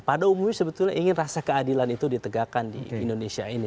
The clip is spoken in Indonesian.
pada umumnya sebetulnya ingin rasa keadilan itu ditegakkan di indonesia ini